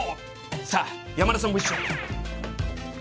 さあ山田さんも一緒に。